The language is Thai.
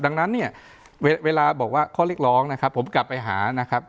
ดังนั้นเนี่ยเวลาบอกว่าข้อเรียกร้องนะครับผมกลับไปหานะครับ